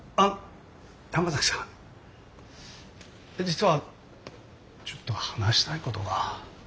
実はちょっと話したいことが。